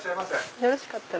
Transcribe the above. よろしかったら。